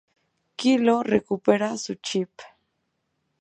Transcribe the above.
Kilo recupera su chip.